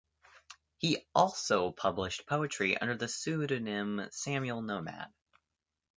He also published poetry under the pseudonym Samuel Nomad.